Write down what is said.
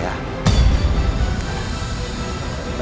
ya udah kamu tenang ya